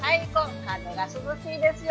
風が涼しいですよ。